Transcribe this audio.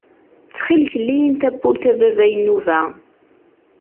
Ttxil-k lli-yi-n tawwurt a baba Inuba.